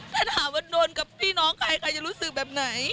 ถ้าถามจะได้กับพี่น้องใครจะรู้สึกแบบไหน